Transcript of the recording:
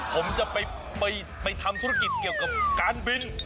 ผมจะไปทำธุรกิจเกี่ยวกับการบิน